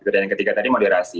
dan yang ketiga tadi moderasi